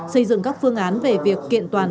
xây dựng các phương án về việc kiện toàn